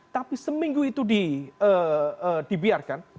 tapi seminggu itu dibiarkan